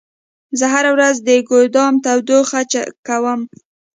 زه هره ورځ د ګودام تودوخه چک کوم.